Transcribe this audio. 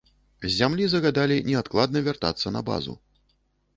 З зямлі загадалі неадкладна вяртацца на базу.